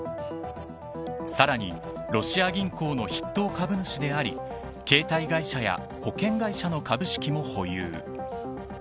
さらにロシア銀行の筆頭株主であり携帯会社や保険会社の株式も保有。